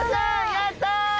やった！